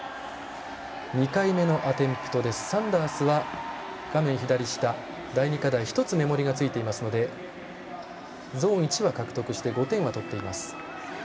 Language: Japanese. ２回目のアテンプトでサンダースは画面左下第２課題、１つ目盛りがついていますのでゾーン１は獲得して５点は取っています。